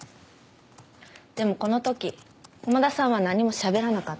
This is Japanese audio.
でもこのとき駒田さんは何もしゃべらなかった。